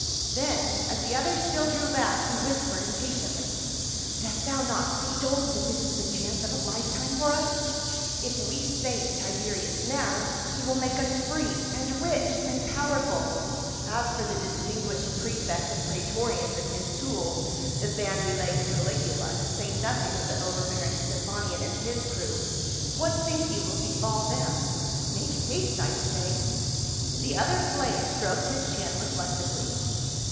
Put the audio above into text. Then as the other still drew back, he whispered impatiently, " Dost thou not see, dolt, that this is the chance of a lifetime for us ? If we save Tiberius now he will make us free and rich and powerful, as for the distinguished prefect of praetorians and his tool, the bandy legged Caligula, to say nothing of the overbearing Stephanion and his crew, what think you will befall them ? Make haste, I say !" The other slave stroked his chin reflectively.